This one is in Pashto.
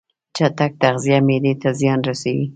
چټک تغذیه معدې ته زیان رسوي.